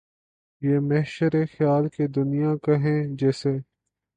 یہ محشرِ خیال کہ دنیا کہیں جسے